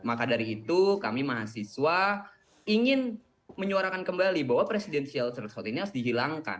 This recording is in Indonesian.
maka dari itu kami mahasiswa ingin menyuarakan kembali bahwa presidensial threshold ini harus dihilangkan